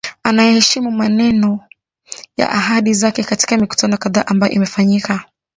anaeheshimu maneno na ahadi zake katika mikutano kadhaa ambayo imefanyika